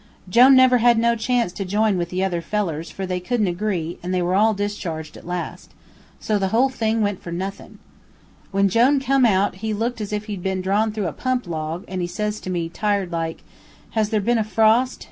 "Jone never had no chance to jine in with the other fellers, for they couldn't agree, an' they were all discharged, at last. So the whole thing went for nuthin. "When Jone come out, he looked like he'd been drawn through a pump log, an' he says to me, tired like, "'Has there been a frost?'